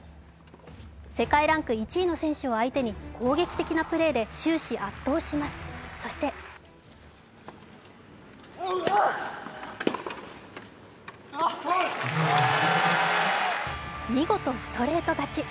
世界ランク１位の選手を相手に攻撃的なプレーで終始圧倒します、そして見事ストレート勝ち。